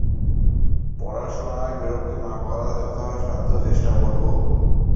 তোমার পড়াশুনায় বিরক্ত না করার যথাসাধ্য চেষ্টা করবো।